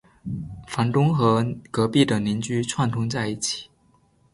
房东和隔壁的邻居串通在一起